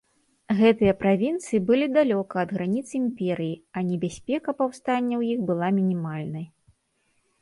Гэтыя правінцыі былі далёкія ад граніц імперыі, а небяспека паўстання ў іх была мінімальнай.